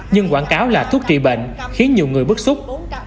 nhưng quảng cáo là thuốc trị bệnh khiến nhiều người bức xúc